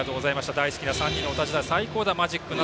大好きな３人のお立ち台最高だ、マジック７。